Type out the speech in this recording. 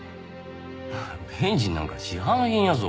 ベンジンなんか市販品やぞ。